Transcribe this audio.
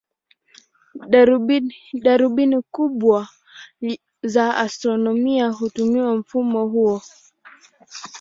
Darubini kubwa za astronomia hutumia mfumo huo.